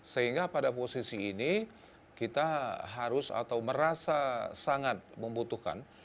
sehingga pada posisi ini kita harus atau merasa sangat membutuhkan